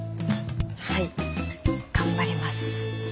はい頑張ります。